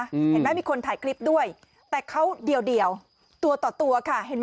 เห็นไหมมีคนถ่ายคลิปด้วยแต่เขาเดียวเดียวตัวต่อตัวค่ะเห็นไหม